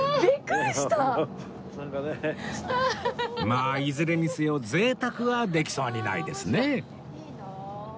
まあいずれにせよ贅沢はできそうにないですね